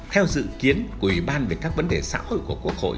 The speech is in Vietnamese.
theo dự kiến của ủy ban về các vấn đề xã hội của quốc hội